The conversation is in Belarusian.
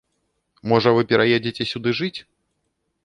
Можа вы пераедзеце сюды жыць?